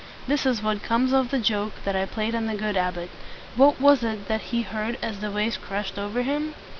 "This is what comes of the joke that I played on the good abbot!" What was it that he heard as the waves rushed over him?